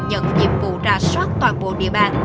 nhận nhiệm vụ rà soát toàn bộ địa bàn